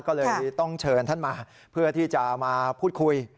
ก็เลยต้องเชิญท่านมาเพื่อที่จะมาพูดคุย